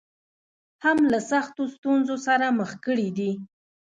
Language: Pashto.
هم له سختو ستونزو سره مخ کړې دي.